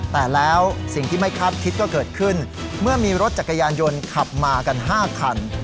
แต่แล้วสิ่งที่ไม่คาดคิดก็เกิดขึ้นเมื่อมีรถจักรยานยนต์ขับมากัน๕คัน